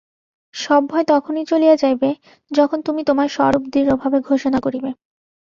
সব ভয় তখনই চলিয়া যাইবে, যখন তুমি তোমার স্বরূপ দৃঢ়ভাবে ঘোষণা করিবে।